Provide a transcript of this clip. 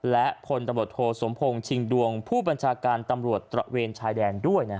และพลตำรวจโทสมพงศ์ชิงดวงผู้บัญชาการตำรวจตระเวนชายแดนด้วย